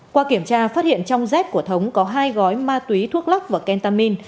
qua kiểm tra phát hiện trong dép của thống có hai gói ma túy thuốc lắc và kentamin